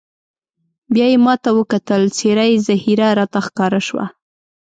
بیا یې ما ته وکتل، څېره یې زهېره راته ښکاره شوه.